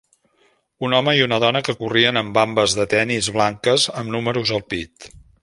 Un home i una dona que corrien amb vambes de tennis blanques amb números al pit.